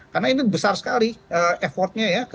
karena ini besar sekali effortnya ya